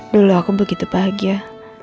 dulu aku begitu bahagia